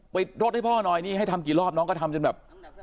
รถให้พ่อหน่อยนี่ให้ทำกี่รอบน้องก็ทำจนแบบ